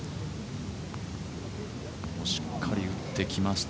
しっかり打ってきました。